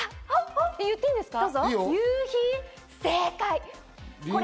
言っていいんですか？